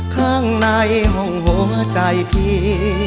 ข้างในห้องหัวใจพี่